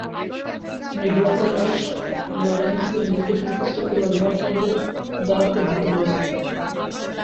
নির্ভুলতার হ্রাস লোরান-সি নেভিগেশন সিস্টেমের ব্যবহারকারীদের দ্বারা উদ্ভূত হয়েছিল।